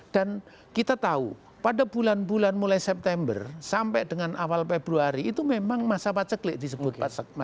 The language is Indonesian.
dan kita tahu pada bulan bulan mulai september sampai dengan awal februari itu memang masa paceklik disebut